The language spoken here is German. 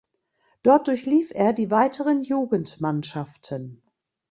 Dort durchlief er die weiteren Jugendmannschaften.